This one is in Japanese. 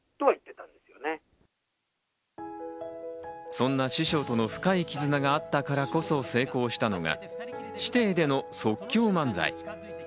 そんな、師匠との深い絆があったからこそ成功したのが師弟での即興漫才。